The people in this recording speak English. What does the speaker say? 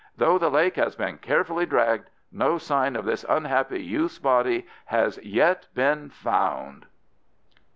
Though the lake has been carefully dragged, no sign of this unhappy youth's body has yet been found."